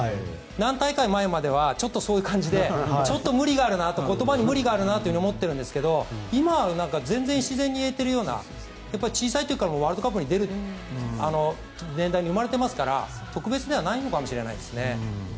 何大会か前まではそういう感じで、無理があるなと言葉に無理があると思っているんですが今は全然自然に言えているような小さい時からワールドカップに出る年代に生まれていますから特別ではないかもしれないですね。